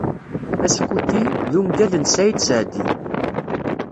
"Askuti" d ungal n Saɛid Seɛdi.